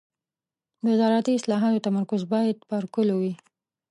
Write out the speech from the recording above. د زراعتي اصلاحاتو تمرکز باید پر کليو وي.